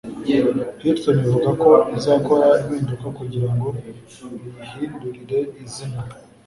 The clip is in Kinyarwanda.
Hilton ivuga ko izakora impinduka kugira ngo iyihindurire izina